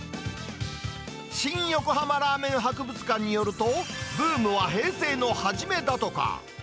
新横浜ラーメン博物館によると、ブームは平成の初めだとか。